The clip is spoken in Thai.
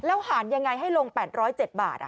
หารยังไงให้ลง๘๐๗บาท